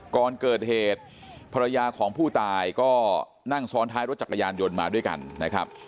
ก่อนเกิดเหตุภรรยาของผู้ตายก็นั่งซ้อนท้ายรถจักรยานยนต์มาด้วยกันนะครับ